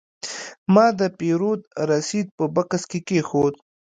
ما د پیرود رسید په بکس کې کېښود.